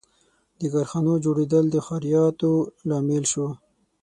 • د کارخانو جوړېدل د ښاریاتو لامل شو.